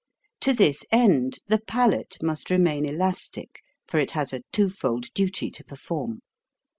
To this end the palate must remain elastic, for it has a twofold duty to perform.